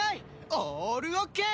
オールオッケー！